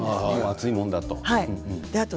暑いものだと。